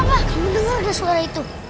kamu dengar suara itu